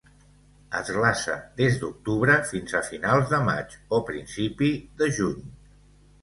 Es glaça des d'octubre fins finals de maig o principi de juny.